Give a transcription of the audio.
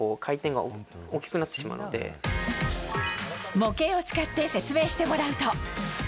模型を使って説明してもらうと。